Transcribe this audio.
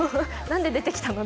何で出てきたの？